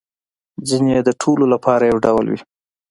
ځینې يې د ټولو لپاره یو ډول وي